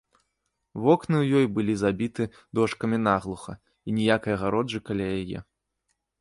Вокны ў ёй былі забіты дошкамі наглуха, і ніякай агароджы каля яе.